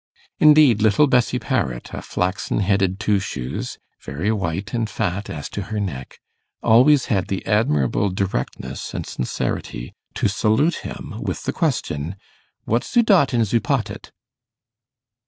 Indeed, little Bessie Parrot, a flaxen headed 'two shoes', very white and fat as to her neck, always had the admirable directness and sincerity to salute him with the question 'What zoo dot in zoo pottet?